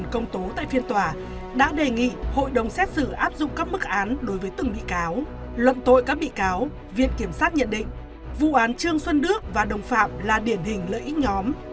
trong tội các bị cáo viện kiểm sát nhận định vụ án trương xuân đức và đồng phạm là điển hình lợi ích nhóm